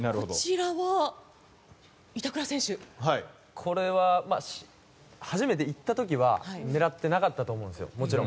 これは、初めて言った時は狙ってなかったと思うんです。